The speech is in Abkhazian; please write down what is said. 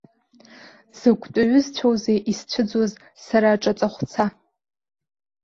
Закәтәы ҩызцәоузеи исцәыӡуаз сара аҿаҵахәца.